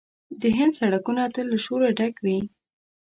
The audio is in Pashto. د هند سړکونه تل له شوره ډک وي.